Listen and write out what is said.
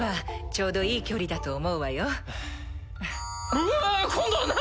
うわっ今度は何⁉